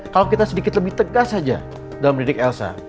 kalau kita sedikit lebih tegas aja dalam mendidik elsa